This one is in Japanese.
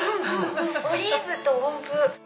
オリーブと音符。